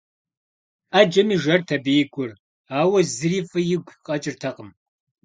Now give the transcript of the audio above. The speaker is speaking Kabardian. Ӏэджэми жэрт абы и гур, ауэ зыри фӏы игу къэкӏыртэкъым.